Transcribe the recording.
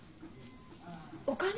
お金？